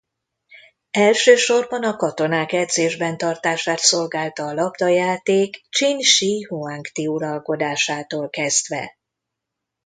Elsősorban a katonák edzésben tartását szolgálta a labdajáték Csin Si Huang-ti uralkodásától kezdve.